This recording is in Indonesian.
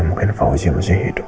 mungkin fauzi masih hidup